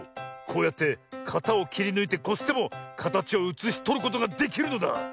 こうやってかたをきりぬいてこすってもかたちをうつしとることができるのだ。